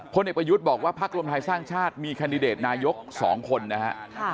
ผลเอกประยุทธ์บอกว่าภักดิ์รวมไทยสร้างชาติมีคันดิเดตนายก๒คนนะฮะ